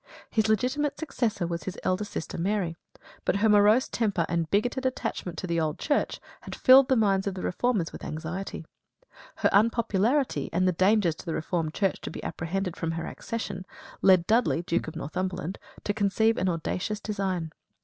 His legitimate successor was his elder sister Mary; but her morose temper and bigoted attachment to the old Church had filled the minds of the Reformers with anxiety. Her unpopularity, and the dangers to the Reformed Church to be apprehended from her accession, led Dudley, Duke of Northumberland, to conceive an audacious design.